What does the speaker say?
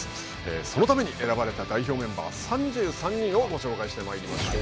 そのために選ばれた代表メンバー３３人をご紹介してまいりましょう。